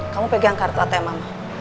kamu pegang kartu atm mama